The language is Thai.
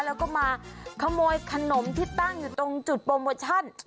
แล้วก็มาขโมยขนมที่ตั้งอยู่ตรงจุดโปรโมชั่น